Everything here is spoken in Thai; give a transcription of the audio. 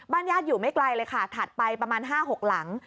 ญาติอยู่ไม่ไกลเลยค่ะถัดไปประมาณ๕๖หลัง